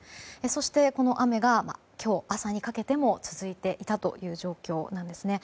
そしてこの雨が今日朝にかけても続いていたという状況なんです。